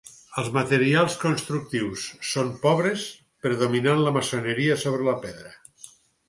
Els materials constructius són pobres, predominant la maçoneria sobre la pedra.